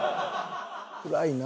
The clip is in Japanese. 暗いな。